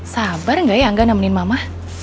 sabar gak ya angga nemenin mama